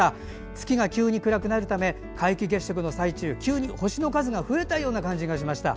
月が急に暗くなるため皆既月食の再中急に星の数が増えたような気がしました。